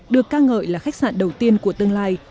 được ca ngợi là khách sạn đầu tiên của tương lai